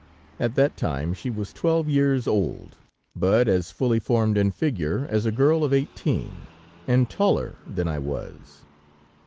At that time she was twelve years old, but as fully formed in figure as a girl of eighteen, and taller than I was.